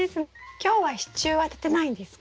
今日は支柱は立てないんですか？